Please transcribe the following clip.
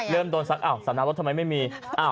เริ่มโดนซักสำเนาว่าทำไมไม่มี